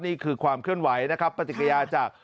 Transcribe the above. นี่คือความเคลื่อนไหวนะครับปฏิกิริยาจาก